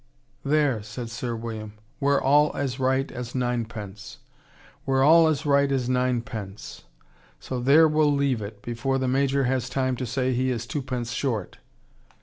"There!" said Sir William. "We're all as right as ninepence! We're all as right ninepence. So there well leave it, before the Major has time to say he is twopence short."